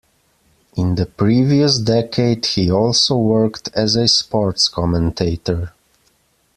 In the previous decade, he also worked as a sports commentator.